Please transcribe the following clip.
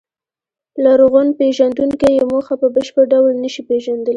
لرغونپېژندونکي یې موخه په بشپړ ډول نهشي پېژندلی.